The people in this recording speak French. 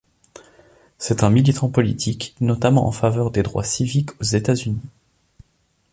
C'est un militant politique, notamment en faveur des droits civiques aux États-Unis.